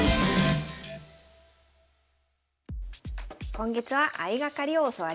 今月は相掛かりを教わります。